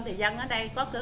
thì dân ở đây có cơ hội